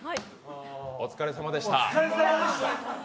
お疲れさまでした。